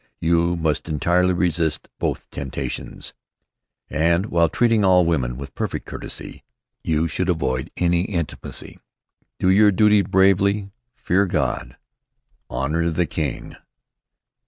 You must entirely resist both temptations, and while treating all women with perfect courtesy, you should avoid any intimacy. Do your duty bravely. Fear God. Honor the King.